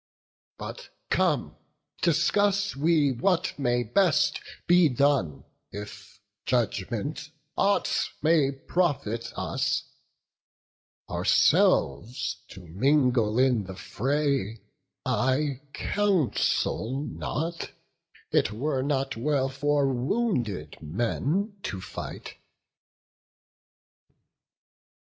But come, discuss we what may best be done, If judgment aught may profit us; ourselves To mingle in the fray I counsel not; It were not well for wounded men to fight."